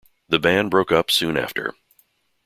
The band broke up soon after.